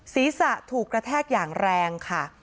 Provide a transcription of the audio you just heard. ศีรษะถูกกระแทกอย่างแรงค่ะ